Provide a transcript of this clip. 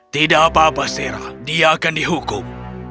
tidak apa apa sarah dia akan dihukum